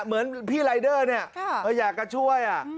เหมือนพี่รายเดอร์เนี่ยเธออยากจะช่วย